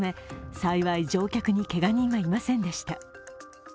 幸い乗客にけが人はいませんでした。